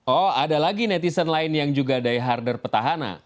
oh ada lagi netizen lain yang juga dieharder petahana